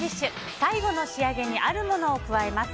最後の仕上げにあるものを加えます。